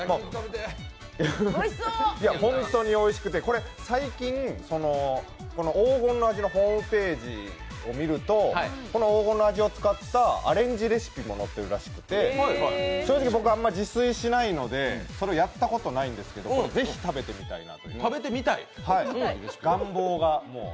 ホントにおいしくて、これ、最近、黄金の味のホームページを見るとこの黄金の味を使ったアレンジレシピも載ってるらしくて、正直僕はあまり自炊をしないのでやったことはないんですけどぜひ食べてみたいなという。